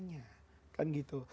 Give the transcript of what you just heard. adanya kan gitu